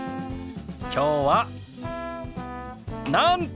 きょうはなんと！